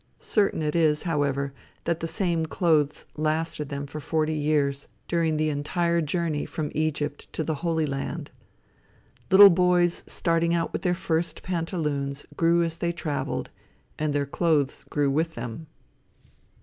Certain it is, however, that the same clothes lasted them for forty years, during the entire journey from Egypt to the Holy Land. Little boys starting out with their first pantaloons, grew as they traveled, and their clothes grew with them.